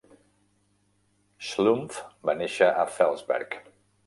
Schlumpf va néixer a Felsberg.